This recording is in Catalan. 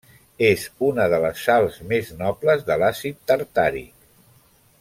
És una de les sals més nobles de l'Àcid tartàric.